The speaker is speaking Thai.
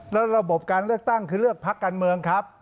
แล้วระบบการเลือกตั้งคือเลือกพักการเมืองครับ